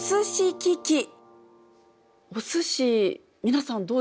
お寿司皆さんどうですか？